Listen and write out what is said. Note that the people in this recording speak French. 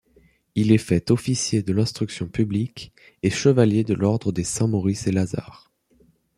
Il est fait Officier de l'Instruction publique et chevalier de l'ordre des Saints-Maurice-et-Lazare.